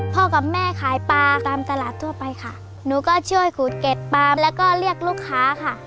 กับแม่ขายปลาตามตลาดทั่วไปค่ะหนูก็ช่วยขูดเก็ดปลามแล้วก็เรียกลูกค้าค่ะ